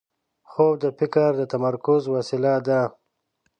خوب د فکر د تمرکز وسیله ده